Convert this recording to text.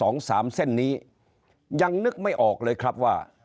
สองสามเส้นนี้ยังนึกไม่ออกเลยครับว่า